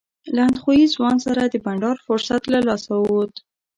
له اندخویي ځوان سره د بنډار فرصت له لاسه ووت.